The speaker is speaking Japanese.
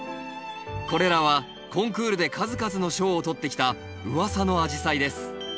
これらはコンクールで数々の賞を取ってきたうわさのアジサイです。